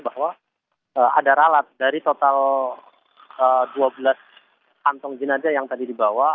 bahwa ada ralat dari total dua belas kantong jenazah yang tadi dibawa